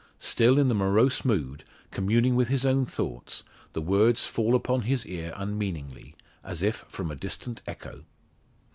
Still in the morose mood, communing with his own thoughts, the words fall upon his ear unmeaningly, as if from a distant echo.